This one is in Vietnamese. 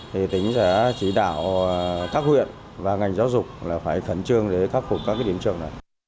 thì tỉnh sẽ chỉ đạo các huyện và ngành giáo dục là phải khẩn trương để khắc phục các điểm trường này